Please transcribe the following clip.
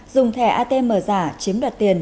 dùng thẻ atm giả chiếm đặt tiền